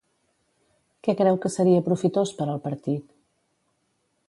Què creu que seria profitós per al partit?